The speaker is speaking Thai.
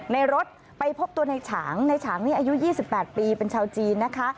ในรถไปพบตัวในฉางในฉางนี่อายุ๒๘ปีเป็นชาวจีนนะคะ